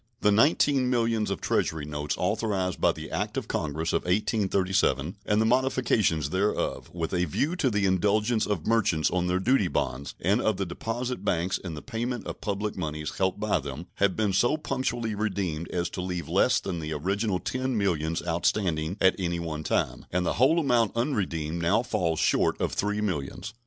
The nineteen millions of Treasury notes authorized by the act of Congress of 1837, and the modifications thereof with a view to the indulgence of merchants on their duty bonds and of the deposit banks in the payment of public moneys held by them, have been so punctually redeemed as to leave less than the original ten millions outstanding at any one time, and the whole amount unredeemed now falls short of three millions.